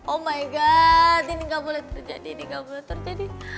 oh mygat ini gak boleh terjadi ini gak boleh terjadi